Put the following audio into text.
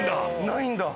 ないんだ。